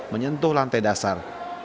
menyentuh lantai dasar